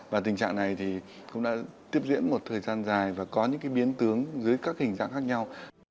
và tình trạng này thì cũng đã tiếp diễn một thời gian dài và có những biến tướng dưới các hình dạng khác nhau